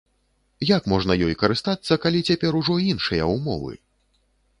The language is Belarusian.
Як можна ёй карыстацца, калі цяпер ужо іншыя ўмовы?